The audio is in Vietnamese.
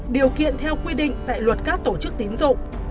điều kiện theo quy định tại luật các tổ chức tín dụng